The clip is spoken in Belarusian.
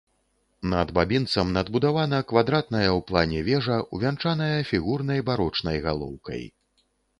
Над бабінцам надбудавана квадратная ў плане вежа, увянчаная фігурнай барочнай галоўкай.